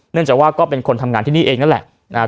เนื่องจากว่าก็เป็นคนทำงานที่นี่เองนั่นแหละนะครับ